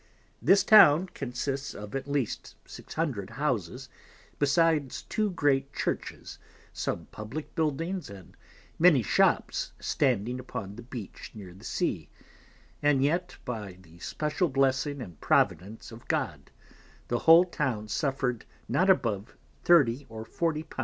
This Town consists of at least 600 Houses, besides two great Churches, some Publick Buildings, and many Shops standing upon the Beach near the Sea, and yet by the special Blessing and Providence of God, the whole Town suffered not above 30 or 40 _l.